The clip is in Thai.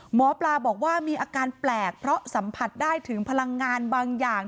หมอปลาบอกว่ามีอาการแปลกเพราะสัมผัสได้ถึงพลังงานบางอย่าง